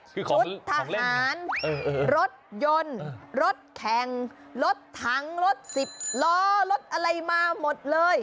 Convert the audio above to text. ชุดทหารรถยนต์รถแข่งรถถังรถสิบล้อรถอะไรมาหมดเลย